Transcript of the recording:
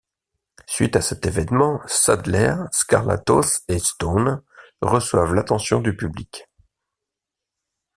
Suite à cet évènement, Sadler, Skarlatos et Stone reçoivent l'attention du public.